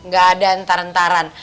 gak ada entaran entaran